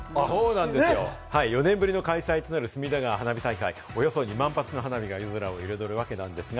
そうなんですよ、４年ぶりの開催となる隅田川の花火大会、およそ２万発の花火が夜空を彩るわけなんですが、